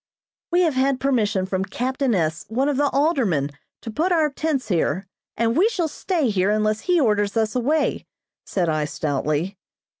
"We have had permission from captain S., one of the aldermen, to put our tents here, and we shall stay unless he orders us away," said I stoutly.